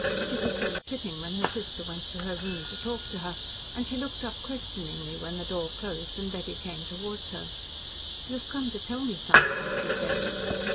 She was so sitting when her sister went to her room to talk to her, and she looked up questioningly when the door closed and Betty came towards her. "You have come to tell me something," she said.